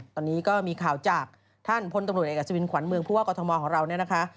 ตอนนี้ก็มีข่าวจากท่านพลตำรวจเอกอัศวินขวัญเมืองผู้ว่ากรทมของเราเนี่ยนะคะ